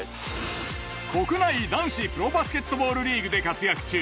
国内男子プロバスケットボールリーグで活躍中。